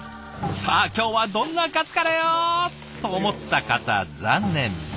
さあ今日はどんなカツカレーを？と思った方残念。